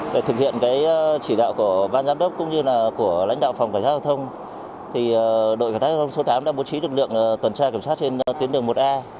để thực hiện chỉ đạo của ban giám đốc cũng như là của lãnh đạo phòng cảnh sát giao thông đội cảnh sát giao thông số tám đã bố trí lực lượng tuần tra kiểm soát trên tuyến đường một a